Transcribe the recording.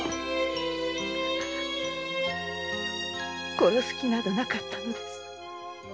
殺す気などなかったのです。